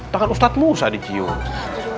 tangan ustadzmu usah dicium